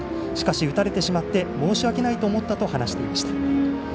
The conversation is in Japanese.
しかし、打たれてしまって申し訳ないと思ったと話していました。